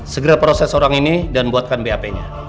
segera proses orang ini dan buatkan bap nya